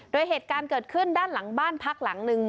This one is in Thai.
โดยเหตุการณ์เกิดขึ้นด้านหลังบ้านพักหลังหนึ่ง